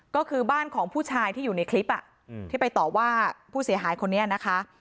ก็คือบ้านของผู้ชายที่อยู่ในคลิปที่ไปต่อว่าผู้เสียหายคนนี้นะคะ